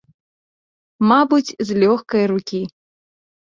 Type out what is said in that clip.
Мабыць, з лёгкае рукі.